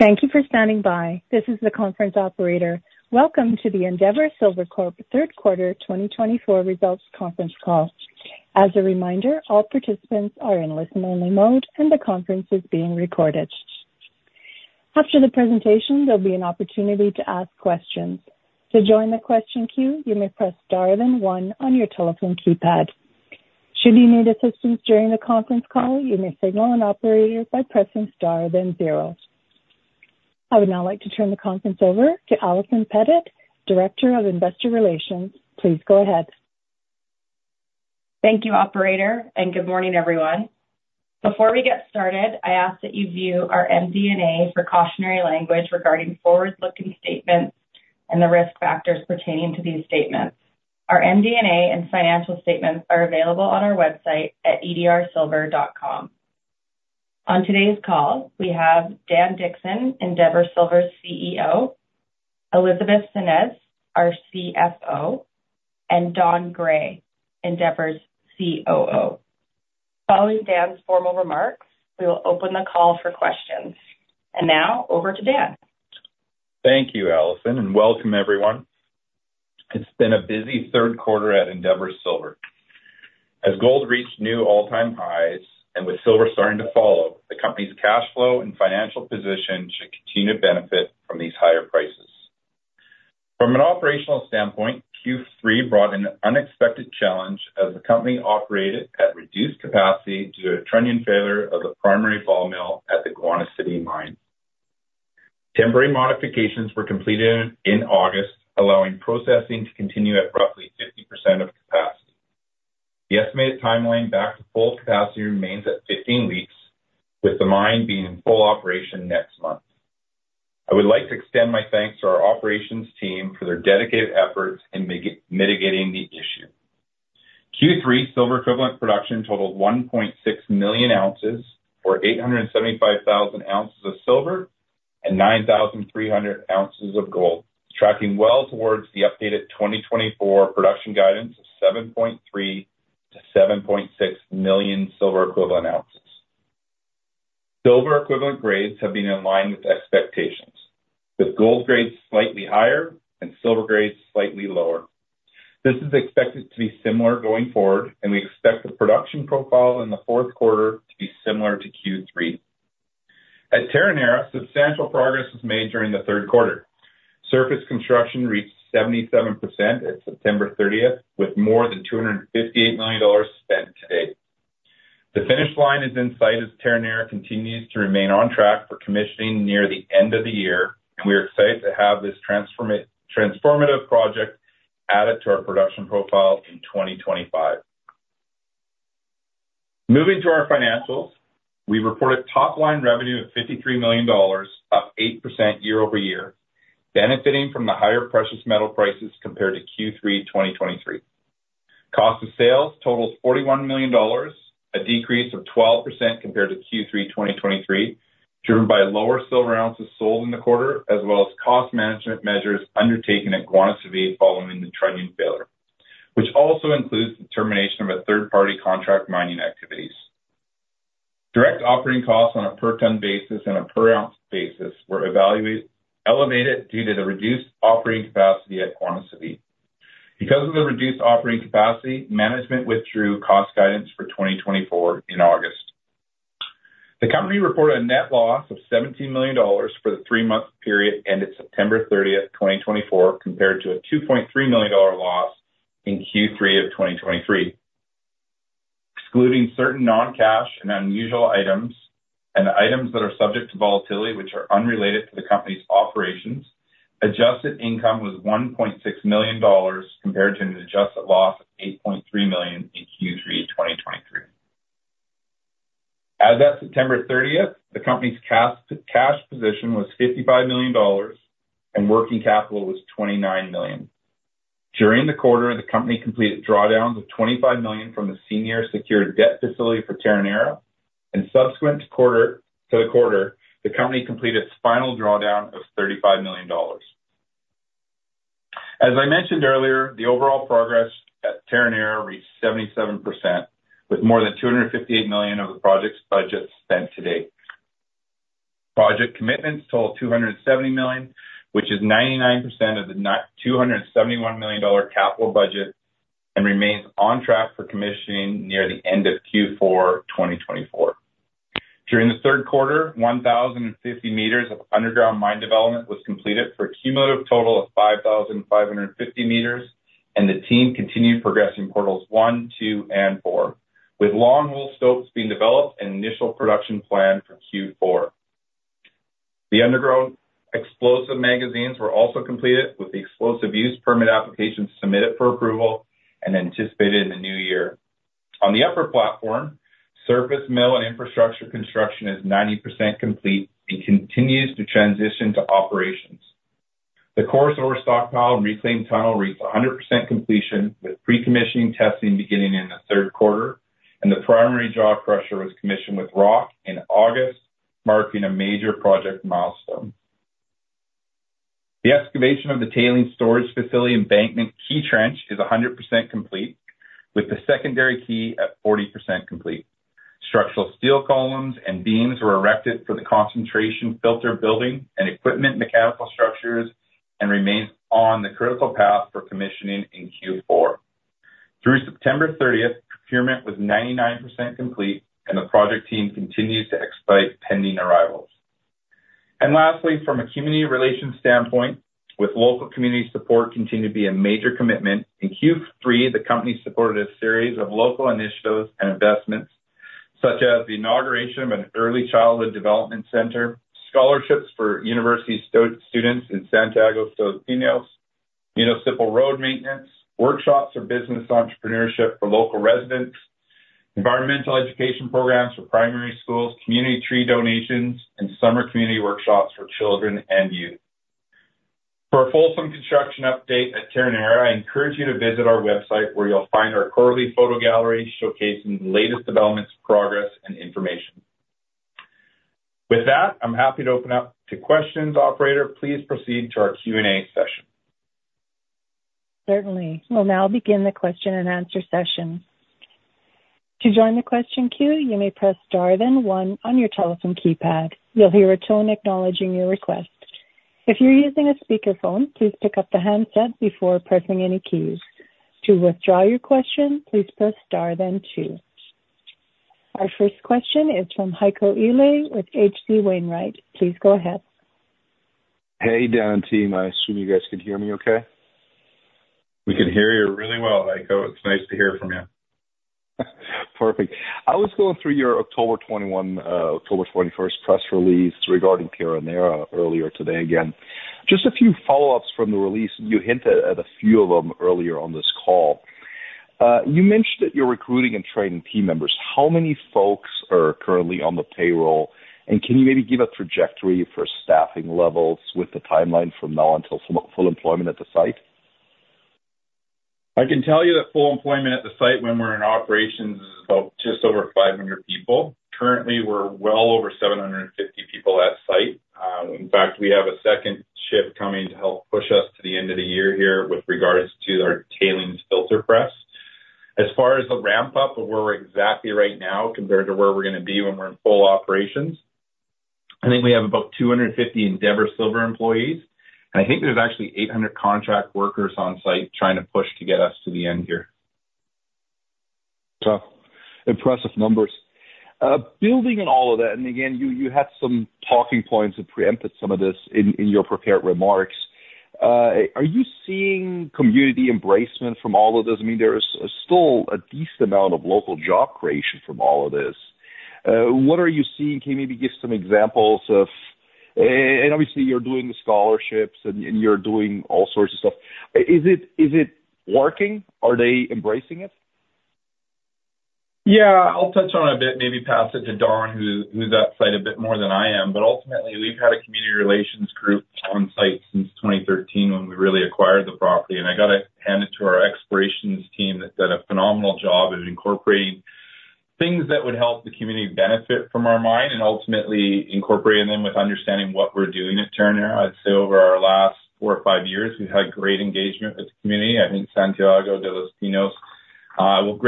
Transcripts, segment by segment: Thank you for standing by. This is the conference operator. Welcome to the Endeavour Silver Corp third quarter 2024 results conference call. As a reminder, all participants are in listen-only mode, and the conference is being recorded. After the presentation, there'll be an opportunity to ask questions. To join the question queue, you may press star then one on your telephone keypad. Should you need assistance during the conference call, you may signal an operator by pressing star then zero. I would now like to turn the conference over to Allison Pettit, Director of Investor Relations. Please go ahead. Thank you, Operator, and good morning, everyone. Before we get started, I ask that you view our MD&A precautionary language regarding forward-looking statements and the risk factors pertaining to these statements. Our MD&A and financial statements are available on our website at edrsilver.com. On today's call, we have Dan Dickson, Endeavour Silver's CEO, Elizabeth Senez, our CFO, and Don Gray, Endeavour's COO. Following Dan's formal remarks, we will open the call for questions. And now, over to Dan. Thank you, Allison, and welcome, everyone. It's been a busy third quarter at Endeavour Silver. As gold reached new all-time highs and with silver starting to follow, the company's cash flow and financial position should continue to benefit from these higher prices. From an operational standpoint, Q3 brought an unexpected challenge as the company operated at reduced capacity due to a trunnion failure of the primary ball mill at the Guanaceví mine. Temporary modifications were completed in August, allowing processing to continue at roughly 50% of capacity. The estimated timeline back to full capacity remains at 15 weeks, with the mine being in full operation next month. I would like to extend my thanks to our operations team for their dedicated efforts in mitigating the issue. Q3 silver equivalent production totaled 1.6 million ounces, or 875,000 ounces of silver and 9,300 ounces of gold, tracking well towards the updated 2024 production guidance of 7.3-7.6 million silver equivalent ounces. Silver equivalent grades have been in line with expectations, with gold grades slightly higher and silver grades slightly lower. This is expected to be similar going forward, and we expect the production profile in the fourth quarter to be similar to Q3. At Terronera, substantial progress was made during the third quarter. Surface construction reached 77% at September 30th, with more than $258 million spent today. The finish line is in sight as Terronera continues to remain on track for commissioning near the end of the year, and we are excited to have this transformative project added to our production profile in 2025. Moving to our financials, we reported top-line revenue of $53 million, up 8% year over year, benefiting from the higher precious metal prices compared to Q3 2023. Cost of sales totaled $41 million, a decrease of 12% compared to Q3 2023, driven by lower silver ounces sold in the quarter, as well as cost management measures undertaken at Guanaceví following the trunnion failure, which also includes the termination of third-party contract mining activities. Direct operating costs on a per-ton basis and a per-ounce basis were elevated due to the reduced operating capacity at Guanaceví. Because of the reduced operating capacity, management withdrew cost guidance for 2024 in August. The company reported a net loss of $17 million for the three-month period ended September 30th, 2024, compared to a $2.3 million loss in Q3 of 2023. Excluding certain non-cash and unusual items and items that are subject to volatility, which are unrelated to the company's operations, adjusted income was $1.6 million compared to an adjusted loss of $8.3 million in Q3 2023. As of September 30th, the company's cash position was $55 million, and working capital was $29 million. During the quarter, the company completed drawdowns of $25 million from the senior secured debt facility for Terronera, and subsequent to the quarter, the company completed its final drawdown of $35 million. As I mentioned earlier, the overall progress at Terronera reached 77%, with more than $258 million of the project's budget spent today. Project commitments totaled $270 million, which is 99% of the $271 million capital budget, and remains on track for commissioning near the end of Q4 2024. During the third quarter, 1,050 meters of underground mine development was completed for a cumulative total of 5,550 meters, and the team continued progressing portals one, two, and four, with long-hole stoping being developed and an initial production plan for Q4. The underground explosive magazines were also completed, with the explosive use permit applications submitted for approval and anticipated in the new year. On the upper platform, surface mill and infrastructure construction is 90% complete and continues to transition to operations. The coarse silver stockpile and reclaim tunnel reached 100% completion, with pre-commissioning testing beginning in the third quarter, and the primary jaw crusher was commissioned with rock in August, marking a major project milestone. The excavation of the tailings storage facility embankment key trench is 100% complete, with the secondary key at 40% complete. Structural steel columns and beams were erected for the concentration filter building and equipment mechanical structures and remains on the critical path for commissioning in Q4. Through September 30th, procurement was 99% complete, and the project team continues to expect pending arrivals. And lastly, from a community relations standpoint, with local community support continuing to be a major commitment, in Q3, the company supported a series of local initiatives and investments, such as the inauguration of an early childhood development center, scholarships for university students in Santiago de los Pinos, municipal road maintenance, workshops for business entrepreneurship for local residents, environmental education programs for primary schools, community tree donations, and summer community workshops for children and youth. For a fulsome construction update at Terronera, I encourage you to visit our website, where you'll find our quarterly photo gallery showcasing the latest developments, progress, and information. With that, I'm happy to open up to questions. Operator, please proceed to our Q&A session. Certainly. We'll now begin the question and answer session. To join the question queue, you may press star then one on your telephone keypad. You'll hear a tone acknowledging your request. If you're using a speakerphone, please pick up the handset before pressing any keys. To withdraw your question, please press star then two. Our first question is from Heiko Ihle with H.C. Wainwright. Please go ahead. Hey, Dan and team. I assume you guys can hear me okay. We can hear you really well, Heiko. It's nice to hear from you. Perfect. I was going through your October 21, October 21st press release regarding Terronera earlier today again. Just a few follow-ups from the release, and you hinted at a few of them earlier on this call. You mentioned that you're recruiting and training team members. How many folks are currently on the payroll, and can you maybe give a trajectory for staffing levels with the timeline from now until full employment at the site? I can tell you that full employment at the site when we're in operations is about just over 500 people. Currently, we're well over 750 people at site. In fact, we have a second shift coming to help push us to the end of the year here with regards to our tailings filter press. As far as the ramp-up of where we're exactly right now compared to where we're going to be when we're in full operations, I think we have about 250 Endeavour Silver employees, and I think there's actually 800 contract workers on site trying to push to get us to the end here. Wow. Impressive numbers. Building on all of that, and again, you had some talking points that preempted some of this in your prepared remarks. Are you seeing community embracement from all of this? I mean, there is still a decent amount of local job creation from all of this. What are you seeing? Can you maybe give some examples of, and obviously, you're doing the scholarships, and you're doing all sorts of stuff. Is it working? Are they embracing it? Yeah. I'll touch on it a bit, maybe pass it to Don, who's at site a bit more than I am. But ultimately, we've had a community relations group on site since 2013 when we really acquired the property, and I got to hand it to our explorations team that did a phenomenal job of incorporating things that would help the community benefit from our mine and ultimately incorporating them with understanding what we're doing at Terronera. I'd say over our last four or five years, we've had great engagement with the community. I think Santiago de los Pinos will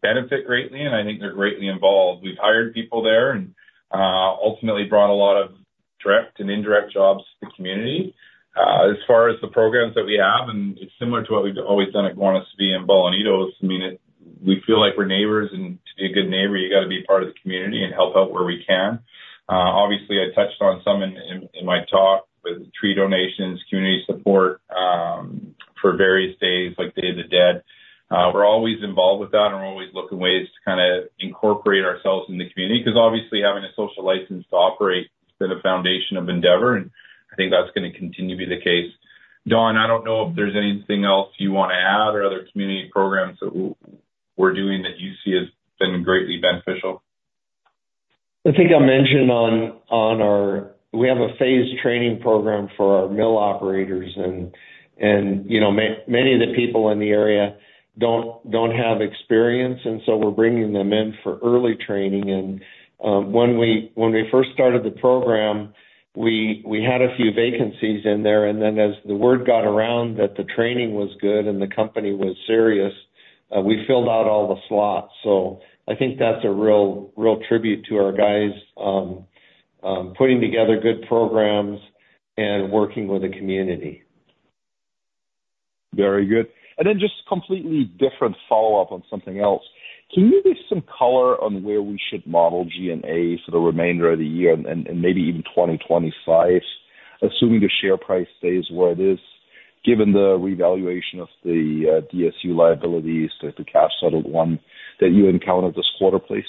benefit greatly, and I think they're greatly involved. We've hired people there and ultimately brought a lot of direct and indirect jobs to the community. As far as the programs that we have, and it's similar to what we've always done at Guanaceví and Bolañitos, I mean, we feel like we're neighbors, and to be a good neighbor, you got to be part of the community and help out where we can. Obviously, I touched on some in my talk with tree donations, community support for various days, like Day of the Dead. We're always involved with that, and we're always looking for ways to kind of incorporate ourselves in the community because obviously, having a social license to operate has been a foundation of Endeavour, and I think that's going to continue to be the case. Don, I don't know if there's anything else you want to add or other community programs that we're doing that you see as being greatly beneficial. I think I mentioned, we have a phased training program for our mill operators, and many of the people in the area don't have experience, and so we're bringing them in for early training. And when we first started the program, we had a few vacancies in there, and then as the word got around that the training was good and the company was serious, we filled out all the slots. So I think that's a real tribute to our guys putting together good programs and working with the community. Very good. And then just a completely different follow-up on something else. Can you give some color on where we should model G&A for the remainder of the year and maybe even 2025, assuming the share price stays where it is, given the revaluation of the DSU liabilities, the cash-settled one that you encountered this quarter, please?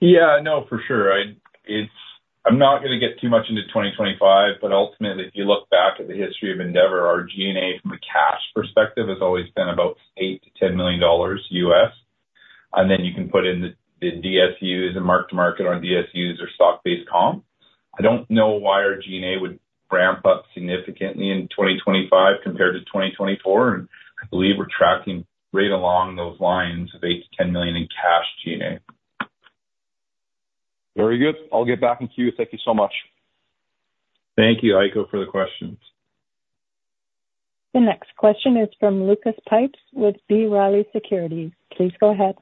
Yeah. No, for sure. I'm not going to get too much into 2025, but ultimately, if you look back at the history of Endeavour, our G&A from a cash perspective has always been about $8-$10 million USD, and then you can put in the DSUs and mark-to-market on DSUs or stock-based comp. I don't know why our G&A would ramp up significantly in 2025 compared to 2024, and I believe we're tracking right along those lines of $8-$10 million in cash G&A. Very good. I'll get back in queue. Thank you so much. Thank you, Heiko, for the questions. The next question is from Lucas Pipes with B. Riley Securities. Please go ahead.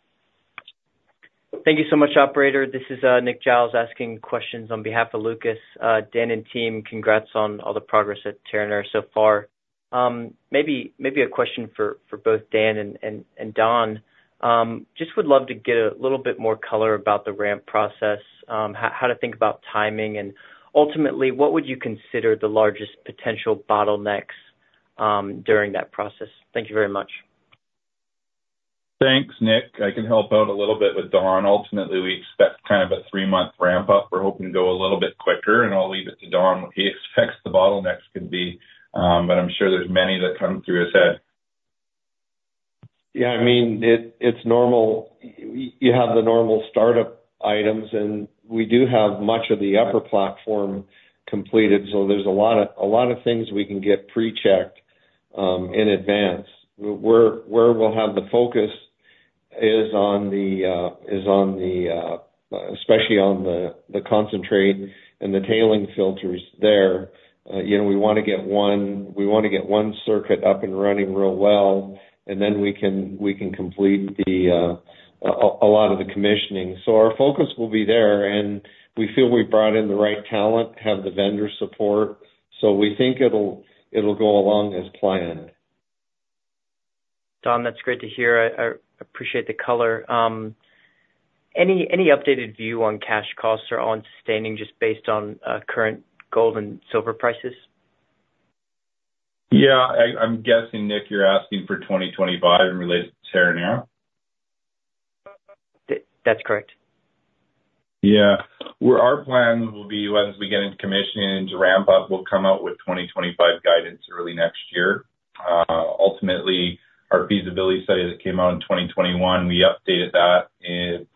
Thank you so much, Operator. This is Nick Giles asking questions on behalf of Lucas. Dan and team, congrats on all the progress at Terronera so far. Maybe a question for both Dan and Don. Just would love to get a little bit more color about the ramp process, how to think about timing, and ultimately, what would you consider the largest potential bottlenecks during that process? Thank you very much. Thanks, Nick. I can help out a little bit with Don. Ultimately, we expect kind of a three-month ramp-up. We're hoping to go a little bit quicker, and I'll leave it to Don what he expects the bottlenecks could be, but I'm sure there's many that come through his head. Yeah. I mean, it's normal. You have the normal startup items, and we do have much of the upper platform completed, so there's a lot of things we can get pre-checked in advance. Where we'll have the focus is on the, especially on the concentrate and the tailings filters there. We want to get one circuit up and running real well, and then we can complete a lot of the commissioning. So our focus will be there, and we feel we brought in the right talent, have the vendor support, so we think it'll go along as planned. Don, that's great to hear. I appreciate the color. Any updated view on cash costs or on sustaining just based on current gold and silver prices? Yeah. I'm guessing, Nick, you're asking for 2025 in relation to Terronera? That's correct. Yeah. Our plan will be once we get into commissioning and into ramp-up, we'll come out with 2025 guidance early next year. Ultimately, our feasibility study that came out in 2021, we updated that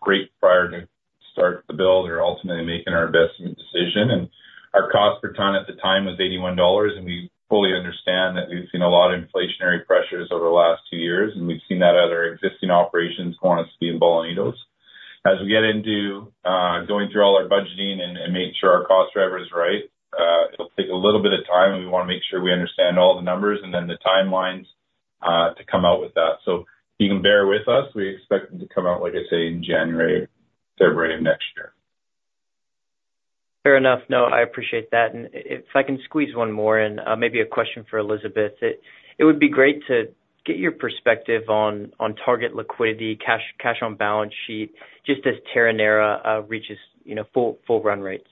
great prior to starting the build or ultimately making our investment decision. And our cost per ton at the time was $81, and we fully understand that we've seen a lot of inflationary pressures over the last two years, and we've seen that at our existing operations, Guanaceví and Bolañitos. As we get into going through all our budgeting and make sure our cost driver is right, it'll take a little bit of time, and we want to make sure we understand all the numbers and then the timelines to come out with that. So if you can bear with us, we expect them to come out, like I say, in January, February of next year. Fair enough. No, I appreciate that. And if I can squeeze one more in, maybe a question for Elizabeth. It would be great to get your perspective on target liquidity, cash on balance sheet, just as Terronera reaches full run rates.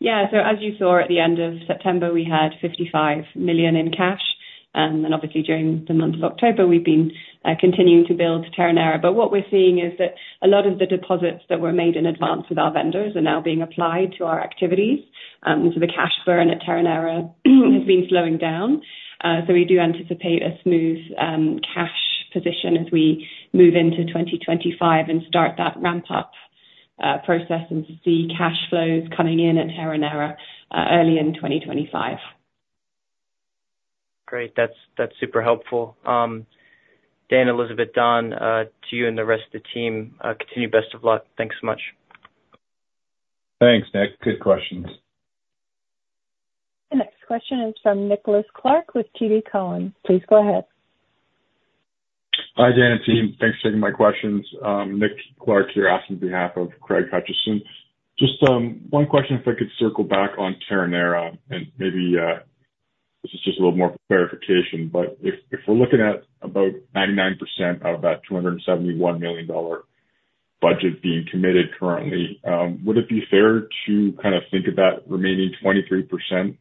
Yeah, so as you saw at the end of September, we had $55 million in cash, and then obviously during the month of October, we've been continuing to build Terronera. But what we're seeing is that a lot of the deposits that were made in advance with our vendors are now being applied to our activities, and so the cash burn at Terronera has been slowing down. So we do anticipate a smooth cash position as we move into 2025 and start that ramp-up process and see cash flows coming in at Terronera early in 2025. Great. That's super helpful. Dan, Elizabeth, Don, to you and the rest of the team, continue best of luck. Thanks so much. Thanks, Nick. Good questions. The next question is from Nicholas Clark with TD Cowen. Please go ahead. Hi, Dan and team. Thanks for taking my questions. Nick Clark here asking on behalf of Craig Hutchison. Just one question if I could circle back on Terronera, and maybe this is just a little more verification, but if we're looking at about 99% of that $271 million budget being committed currently, would it be fair to kind of think of that remaining 23%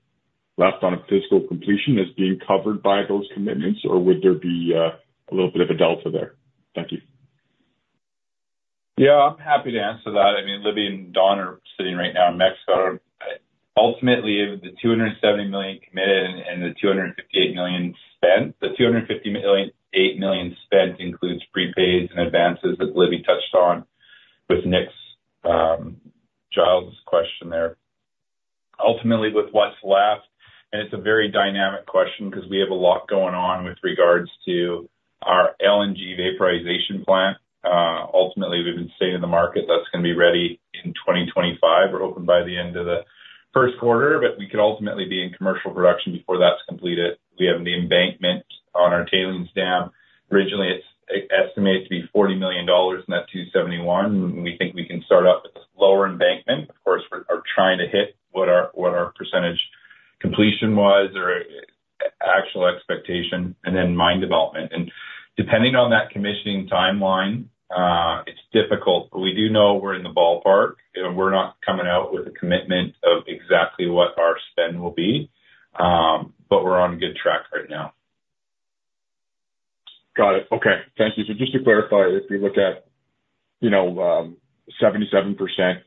left on a fiscal completion as being covered by those commitments, or would there be a little bit of a delta there? Thank you. Yeah. I'm happy to answer that. I mean, Libby and Don are sitting right now in Mexico. Ultimately, the $270 million committed and the $258 million spent, the $258 million spent includes prepaids and advances that Libby touched on with Nick Giles's question there. Ultimately, with what's left, and it's a very dynamic question because we have a lot going on with regards to our LNG vaporization plant. Ultimately, we've been staying in the market. That's going to be ready in 2025. We're hoping by the end of the first quarter, but we could ultimately be in commercial production before that's completed. We have an embankment on our tailings dam. Originally, it's estimated to be $40 million in that 271, and we think we can start up with lower embankment. Of course, we're trying to hit what our percentage completion was or actual expectation, and then mine development. Depending on that commissioning timeline, it's difficult, but we do know we're in the ballpark, and we're not coming out with a commitment of exactly what our spend will be, but we're on a good track right now. Got it. Okay. Thank you. So just to clarify, if you look at 77%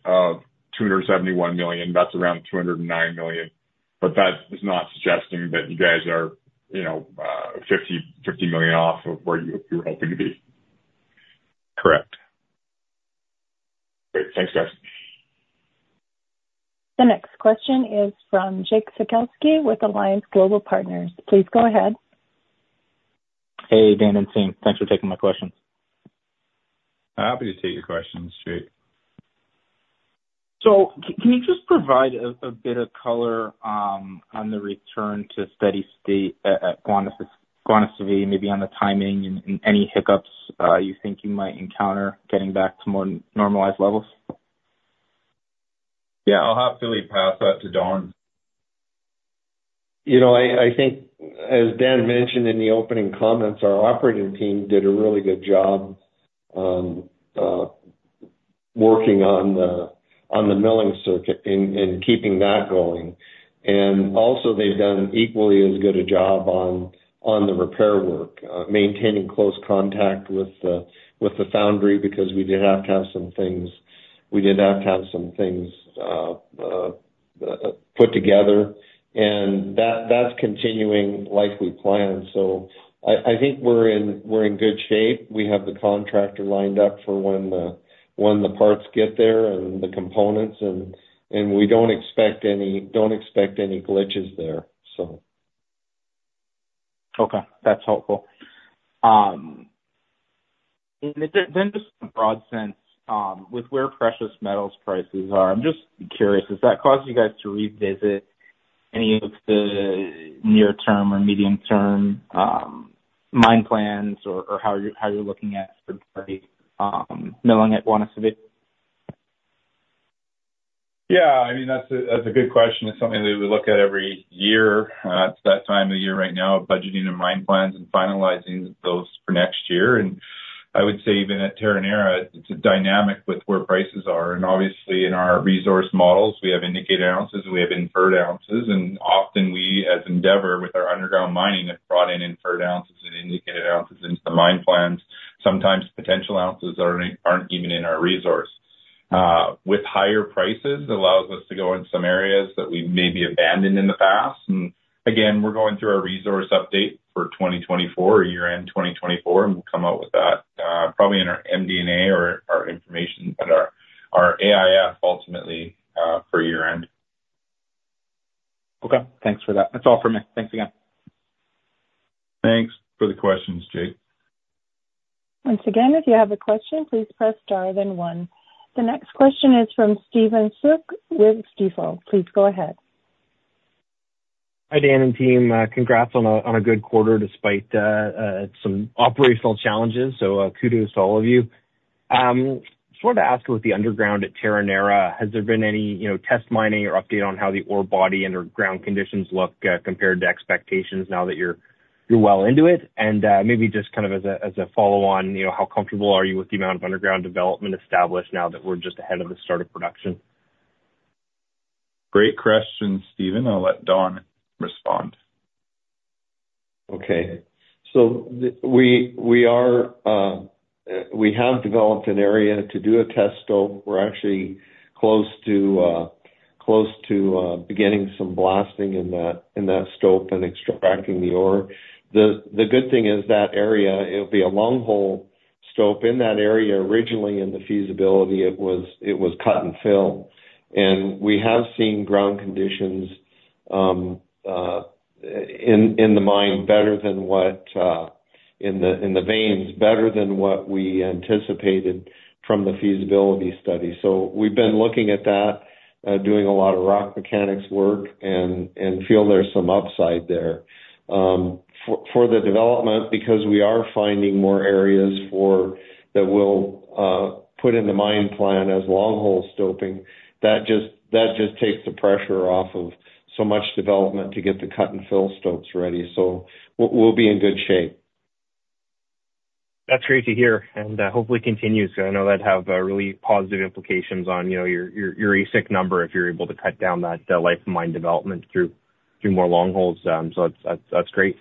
of 271 million, that's around 209 million, but that is not suggesting that you guys are 50 million off of where you were hoping to be. Correct. Great. Thanks, guys. The next question is from Jake Sekelsky with Alliance Global Partners. Please go ahead. Hey, Dan and team. Thanks for taking my questions. Happy to take your questions, Jake. So can you just provide a bit of color on the return to steady state at Guanaceví, maybe on the timing and any hiccups you think you might encounter getting back to more normalized levels? Yeah. I'll happily pass that to Don. I think, as Dan mentioned in the opening comments, our operating team did a really good job working on the milling circuit and keeping that going. And also, they've done equally as good a job on the repair work, maintaining close contact with the foundry because we did have to have some things put together, and that's continuing like we planned. So I think we're in good shape. We have the contractor lined up for when the parts get there and the components, and we don't expect any glitches there, so. Okay. That's helpful. And then just in a broad sense, with where precious metals prices are, I'm just curious, has that caused you guys to revisit any of the near-term or medium-term mine plans or how you're looking at milling at Guanaceví? Yeah. I mean, that's a good question. It's something that we look at every year. It's that time of the year right now of budgeting and mine plans and finalizing those for next year. And I would say even at Terronera, it's a dynamic with where prices are. And obviously, in our resource models, we have indicated ounces, and we have inferred ounces, and often we, as Endeavour, with our underground mining, have brought in inferred ounces and indicated ounces into the mine plans. Sometimes potential ounces aren't even in our resource. With higher prices, it allows us to go in some areas that we maybe abandoned in the past. And again, we're going through our resource update for 2024, year-end 2024, and we'll come out with that probably in our MD&A or our information at our AIF ultimately for year-end. Okay. Thanks for that. That's all from me. Thanks again. Thanks for the questions, Jake. Once again, if you have a question, please press star then one. The next question is from Stephen Soock with Stifel. Please go ahead. Hi, Dan and team. Congrats on a good quarter despite some operational challenges. So kudos to all of you. Just wanted to ask about the underground at Terronera. Has there been any test mining or update on how the ore body underground conditions look compared to expectations now that you're well into it? And maybe just kind of as a follow-on, how comfortable are you with the amount of underground development established now that we're just ahead of the start of production? Great question, Stephen. I'll let Don respond. Okay. So we have developed an area to do a test stope. We're actually close to beginning some blasting in that stope and extracting the ore. The good thing is that area, it'll be a long-hole stope. In that area, originally in the feasibility, it was cut and fill. And we have seen ground conditions in the mine better than what in the veins, better than what we anticipated from the feasibility study. So we've been looking at that, doing a lot of rock mechanics work, and feel there's some upside there. For the development, because we are finding more areas that we'll put in the mine plan as long-hole stoping, that just takes the pressure off of so much development to get the cut and fill stopes ready. So we'll be in good shape. That's great to hear, and hopefully continues. I know that'd have really positive implications on your AISC number if you're able to cut down that life of mine development through more long holes. So that's great.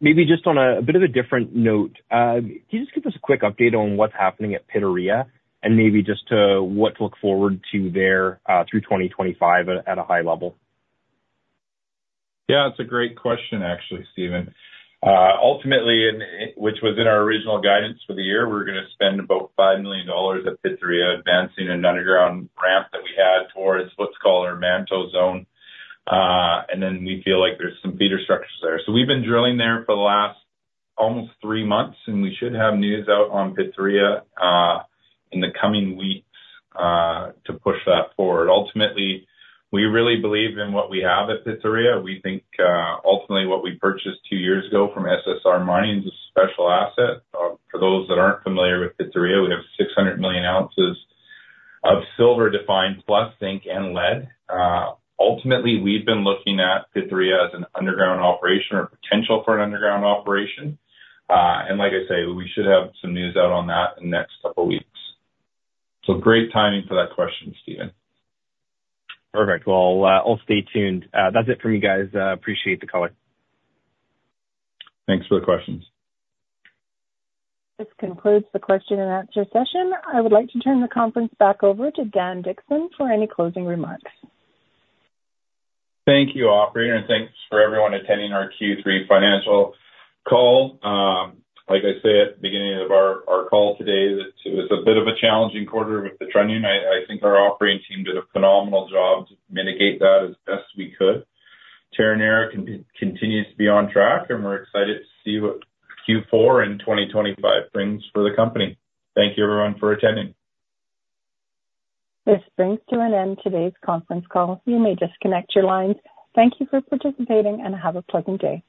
Maybe just on a bit of a different note, can you just give us a quick update on what's happening at Pitarrilla and maybe just what to look forward to there through 2025 at a high level? Yeah. That's a great question, actually, Stephen. Ultimately, which was in our original guidance for the year, we're going to spend about $5 million at Pitarrilla advancing an underground ramp that we had towards what's called our manto zone. And then we feel like there's some feeder structures there. So we've been drilling there for the last almost three months, and we should have news out on Pitarrilla in the coming weeks to push that forward. Ultimately, we really believe in what we have at Pitarrilla. We think ultimately what we purchased two years ago from SSR Mining is a special asset. For those that aren't familiar with Pitarrilla, we have 600 million ounces of silver-defined plus zinc and lead. Ultimately, we've been looking at Pitarrilla as an underground operation or potential for an underground operation. Like I say, we should have some news out on that in the next couple of weeks. Great timing for that question, Stephen. Perfect. Well, I'll stay tuned. That's it from you guys. Appreciate the color. Thanks for the questions. This concludes the question and answer session. I would like to turn the conference back over to Dan Dickson for any closing remarks. Thank you, operator, and thanks for everyone attending our Q3 financial call. Like I say at the beginning of our call today, it was a bit of a challenging quarter with the trunnion. I think our operating team did a phenomenal job to mitigate that as best we could. Terronera continues to be on track, and we're excited to see what Q4 and 2025 brings for the company. Thank you, everyone, for attending. This brings to an end today's conference call. You may disconnect your lines. Thank you for participating, and have a pleasant day.